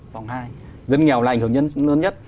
vòng hai dân nghèo là ảnh hưởng lớn nhất